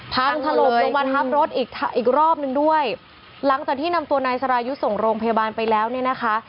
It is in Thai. พังถล่มลงมาทับรถอีกอีกรอบนึงด้วยหลังจากที่นำตัวนายสรายุทธ์ส่งโรงพยาบาลไปแล้วเนี่ยนะคะ